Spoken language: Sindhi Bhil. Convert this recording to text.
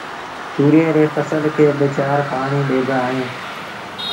تُوريئي ري ڦسل کي با چآر پآڻيٚ ڏبآ اهيݩ